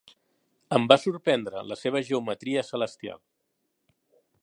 Em va sorprendre la seva geometria celestial.